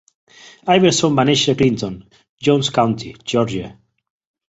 Iverson va néixer a Clinton, Jones County, Geòrgia.